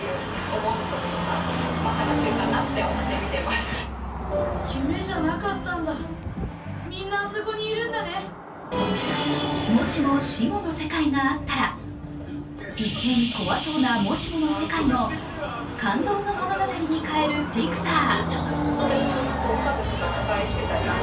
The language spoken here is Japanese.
「さわやかパッド」２番目に多かったのがもしも死後の世界があったら一見、怖そうなもしもの世界も感動の物語に変えるピクサー。